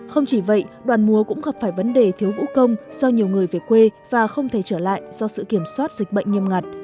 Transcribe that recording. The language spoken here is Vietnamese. không chỉ vậy đoàn mùa cũng gặp phải vấn đề thiếu vũ công do nhiều người về quê và không thể trở lại do sự kiểm soát dịch bệnh nghiêm ngặt